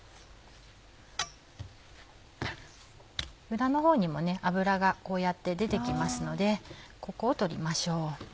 裏のほうにも脂がこうやって出て来ますのでここを取りましょう。